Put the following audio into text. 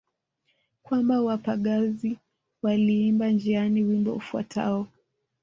Kwamba wapagazi waliimba njiani wimbo ufuatao